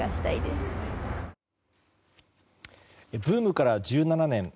ブームから１７年。